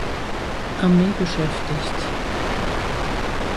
Armee beschäftigt.